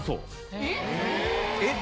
えっ？